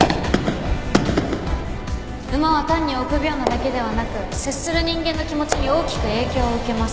馬は単に臆病なだけではなく接する人間の気持ちに大きく影響を受けます。